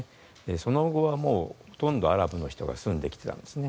その後はもうほとんどアラブの人が住んできてたんですね。